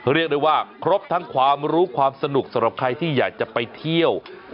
เรียกได้ว่าครบทั้งความรู้ความสนุกสำหรับใครที่อยากจะไปเที่ยว